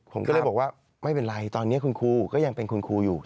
ผมก็เลยบอกว่าไม่เป็นไรตอนนี้คุณครูก็ยังเป็นคุณครูอยู่